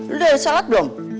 lo udah salat belum